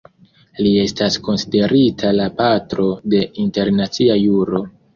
Li estas konsiderita la "patro de internacia juro".